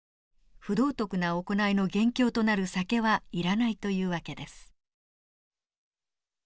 不道徳な行いの元凶となる酒はいらないという訳です。